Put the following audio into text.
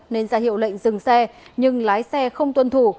nên ra hiệu lệnh dừng xe nhưng lái xe không tuân thủ